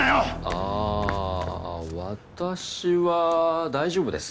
ああ私は大丈夫です。